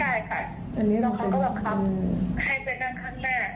เขาแผ่นมาแล้วเรียบร้องว่าเขามีเวลาในช่วงเที่ยงถึงปลายสอบ